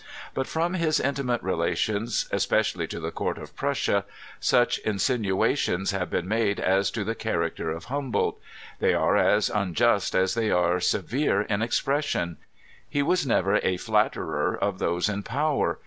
But from nis intimate relations especially to the court of Prussia, some insinuations have been made as to the character of Hum boldt They are as unjust as they are severe in expression. He was never a flatterer of those in power.